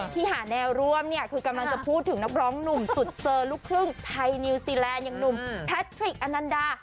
ที่หาแนวร่วมเนี่ยคือกำลังจะพูดถึงนักร้องหนุ่มสุดเซอร์ลูกครึ่งไทยนิวซีแลนด์อย่างหนุ่มแพทริกอนันดา